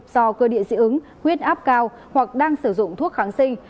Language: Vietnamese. do cơ địa dị ứng huyết áp cao hoặc đang sử dụng thuốc kháng sinh